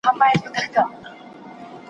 له زمري پاچا یې وکړله غوښتنه ,